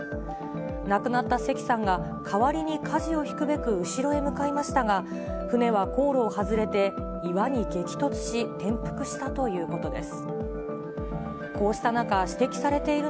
亡くなった関さんが、代わりにかじを引くべく後ろへ向かいましたが、船は航路を外れて、岩に激突し、転覆したということです。